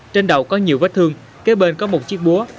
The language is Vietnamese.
trên đầu có nhiều vết thương kế bên có một chiếc búa